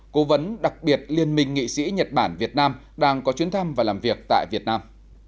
cố vấn đặc biệt liên minh nghị sĩ nhật bản việt nam đang có chuyến thăm và làm việc tại việt nam